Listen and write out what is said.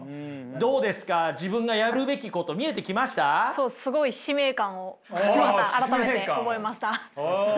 そうすごい使命感をまた改めて覚えました。